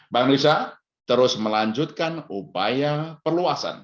bang risa terus melanjutkan upaya perluasan